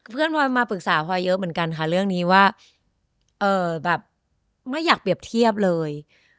พลอยมาปรึกษาพลอยเยอะเหมือนกันค่ะเรื่องนี้ว่าแบบไม่อยากเปรียบเทียบเลย